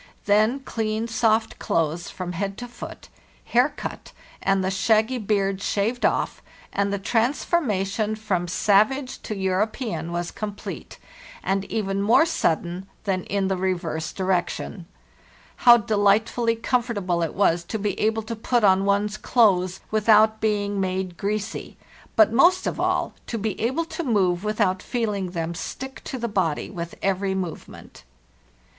Then clean, soft clothes from head to foot, hair cut, and the shaggy beard shaved off, and the transformation from savage to European was complete, and even more sudden than in the reverse direction. How delightfully comfortable it was to be able to put on one's clothes without being made greasy, but, most of all, to be able to move with out feeling them stick to the body with every movement!